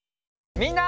みんな！